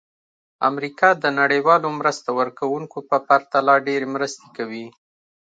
امریکا د نړیوالو مرسته ورکوونکو په پرتله ډېرې مرستې کوي.